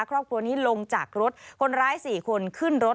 ครอบครัวนี้ลงจากรถคนร้าย๔คนขึ้นรถ